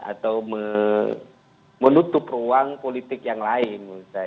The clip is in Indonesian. atau menutup ruang politik yang lain